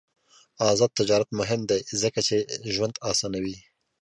آزاد تجارت مهم دی ځکه چې ژوند اسانوي.